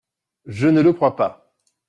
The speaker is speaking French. Je ne le crois pas.